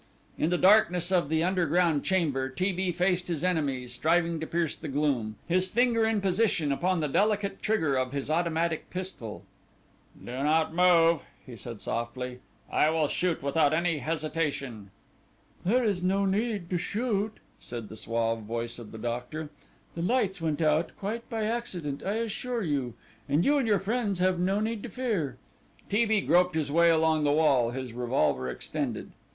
In the darkness of the underground chamber T. B. faced his enemies, striving to pierce the gloom, his finger in position upon the delicate trigger of his automatic pistol. "Do not move," he said softly; "I will shoot without any hesitation." "There is no need to shoot," said the suave voice of the doctor; "the lights went out, quite by accident, I assure you, and you and your friends have no need to fear." T. B. groped his way along the wall, his revolver extended.